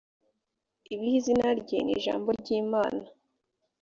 ibh izina rye ni jambo ry imana